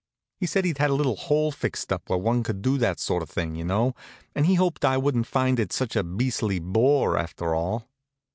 He said he'd had a little hole fixed up where one could do that sort of thing, y'know, and he hoped I wouldn't find it such a beastly bore, after all.